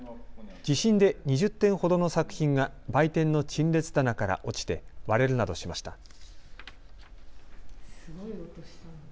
地震で２０点ほどの作品が売店の陳列棚から落ちて割れるなどしました。